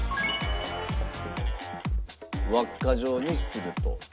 輪っか状にすると。